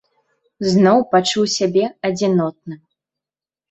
Зноў пачуў сябе адзінотным.